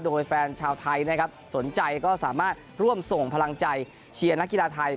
โดยแฟนชาวไทยนะครับสนใจก็สามารถร่วมส่งพลังใจเชียร์นักกีฬาไทย